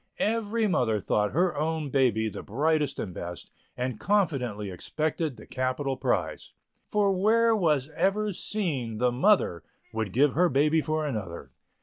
Every mother thought her own baby the brightest and best, and confidently expected the capital prize. For where was ever seen the mother Would give her baby for another?